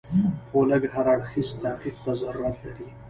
خو لږ هر اړخیز تحقیق ته ضرورت لري.